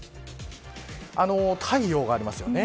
太陽がありますよね。